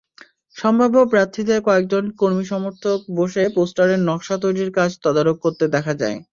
সম্ভাব্য প্রার্থীদের কয়েকজন কর্মী-সমর্থক বসে পোস্টারের নকশা তৈরির কাজ তদারক করতে দেখা যায়।